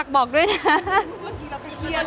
คือบอกเลยว่าเป็นครั้งแรกในชีวิตจิ๊บนะ